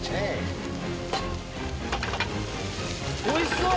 おいしそう！